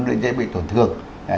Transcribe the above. để dễ bị tổn thương